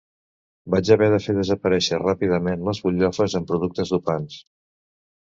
Vaig haver de fer desaparèixer ràpidament les butllofes amb productes dopants.